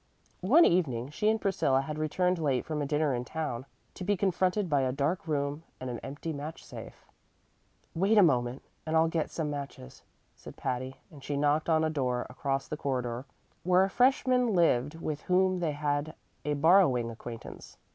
One evening she and Priscilla had returned late from a dinner in town, to be confronted by a dark room and an empty match safe. "Wait a moment and I'll get some matches," said Patty; and she knocked on a door across the corridor where a freshman lived with whom they had a borrowing acquaintance.